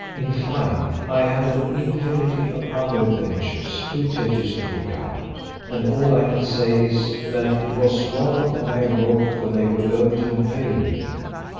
In fine, I had an infinity of other adventures, too tedious to recount: and all I can say is, that it was well that I awoke, for they were going to impale me!"